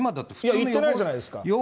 行ってないじゃないですか。